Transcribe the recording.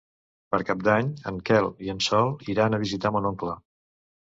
Per Cap d'Any en Quel i en Sol iran a visitar mon oncle.